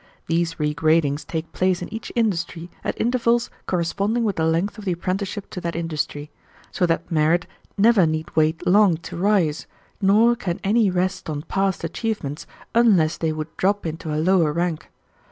These regradings take place in each industry at intervals corresponding with the length of the apprenticeship to that industry, so that merit never need wait long to rise, nor can any rest on past achievements unless they would drop into a lower rank.